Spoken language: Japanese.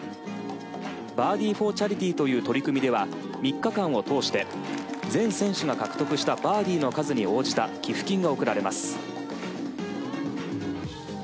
「バーディーｆｏｒチャリティ」という取り組みでは３日間を通して全選手が獲得したバーディの数に応じた寄付金が贈られます。